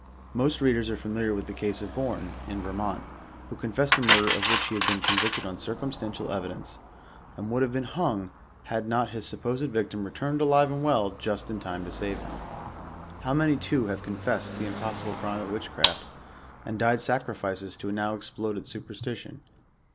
Most readers are familiar with the case of Bourne, in Vermont, who Confessed a murder of which he had been convicted on circumstantial evidence, and would have been hung, had not his supposed victim returned alive and well, just in time to save him. How many too have confessed the im possible crime of witchcraft, and died sacrifices to a now ex ploded superstition